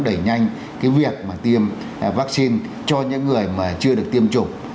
đẩy nhanh cái việc mà tiêm vaccine cho những người mà chưa được tiêm chủng